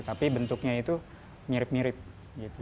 jadi kita bisa membuatnya mirip mirip gitu